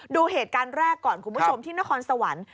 ดูเหตุการณ์แรกก่อนคุณผู้ชมที่นครสวรรค์